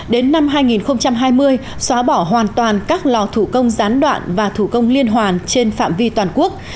đến năm hai nghìn hai mươi xóa bỏ hoàn toàn các lò thủ công gián đoạn và thủ công liên hoàn trên phạm vi toàn quốc